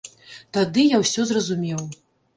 Тады я ўсё зразумеў.